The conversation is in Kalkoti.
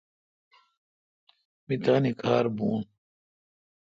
مہ تانی کار بھو۔